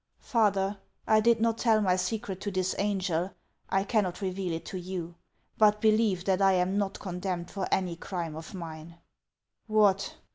" Father, 1 did not tell my secret to this angel ; I can not reveal it to you. But believe that I am not con demned for any crime of mine." " What